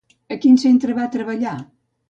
A quin centre va treballar?